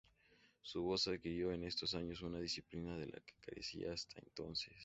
Su voz adquirió en estos años una disciplina de la que carecía hasta entonces.